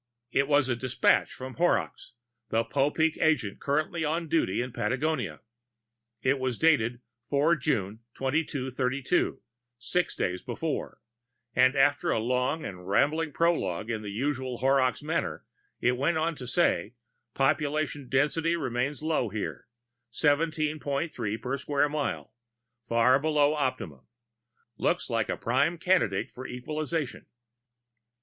It was a despatch from Horrocks, the Popeek agent currently on duty in Patagonia. It was dated 4 June 2232, six days before, and after a long and rambling prologue in the usual Horrocks manner it went on to say, _Population density remains low here: 17.3 per square mile, far below optimum. Looks like a prime candidate for equalization.